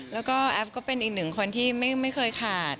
แล้วก็แอฟก็เป็นอีกหนึ่งคนที่ไม่เคยขาด